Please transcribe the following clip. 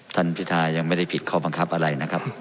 พิทายังไม่ได้ผิดข้อบังคับอะไรนะครับ